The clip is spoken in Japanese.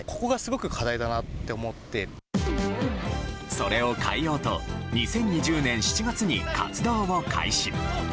それを変えようと２０２０年７月に活動を開始。